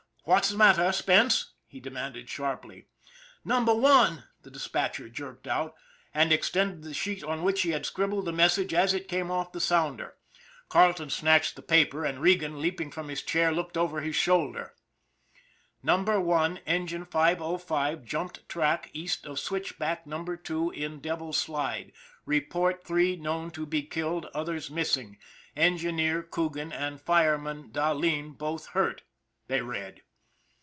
"What's the matter, Spence?" he demanded sharply. " Number One," the dispatcher jerked out, and ex tended the sheet on which he had scribbled the message as it came in off the sounder. GUARDIAN OF THE DEVIL'S SLIDE 165 Carleton snatched the paper, and Regan, leaping from his chair, looked over his shoulder. " Number One, engine 505, jumped track east of switch back number two in Devil's Slide. Report three known to be killed, others missing. Engineer Coogan and fireman Dahleen both hurt," they read.